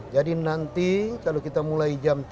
jadi nanti kalau kita mulai jam tiga